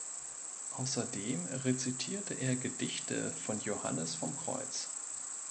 Außerdem rezitierte er Gedichte von Johannes vom Kreuz.